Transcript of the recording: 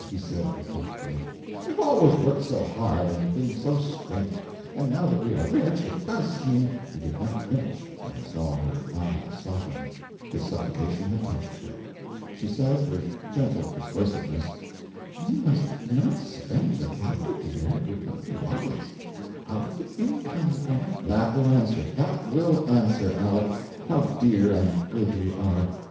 he said, reproachfully. "We've always worked so hard and been so scrimped: and now that we are rich, it does seem " He did not finish, for he saw her eye soften; his supplication had touched her. She said, with gentle persuasiveness: "We must not spend the capital, dear, it would not be wise. Out of the income from it " "That will answer, that will answer, Aleck! How dear and good you are!